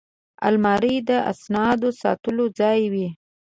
الماري د اسنادو ساتلو ځای وي